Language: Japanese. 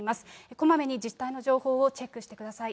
こまめに自治体の情報をチェックしてください。